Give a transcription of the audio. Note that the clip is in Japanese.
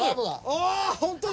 ああ本当だ！